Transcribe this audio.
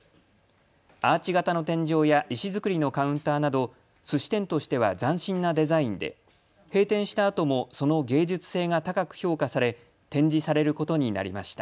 アーチ形の天井や石造りのカウンターなどすし店としては斬新なデザインで閉店したあともその芸術性が高く評価され展示されることになりました。